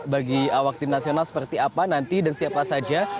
bagi awak tim nasional seperti apa nanti dan siapa saja